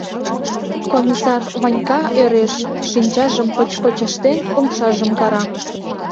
Комиссар Ванька ӧреш, шинчажым пыч-пыч ыштен, умшажым кара.